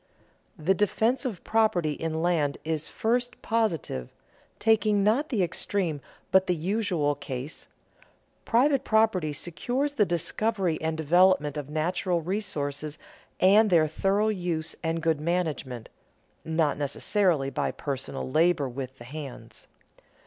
The defense of property in land is first positive: taking not the extreme but the usual case, private property secures the discovery and development of natural resources and their thorough use and good management (not necessarily by personal labor with the hands).